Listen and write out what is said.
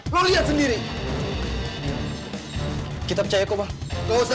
kok lo percaya